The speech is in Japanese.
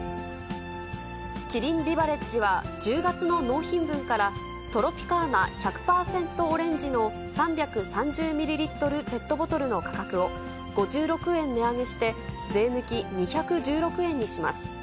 キリンビバレッジは１０月の納品分から、トロピカーナ１００％オレンジの３３０ミリリットルペットボトルの価格を、５６円値上げして、税抜き２１６円にします。